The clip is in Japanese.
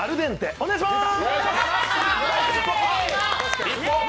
お願いしまーす。